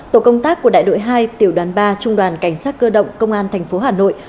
tổ công tác của đại đội hai tiểu đoàn ba trung đoàn cảnh sát cơ động công an thành phố hà nội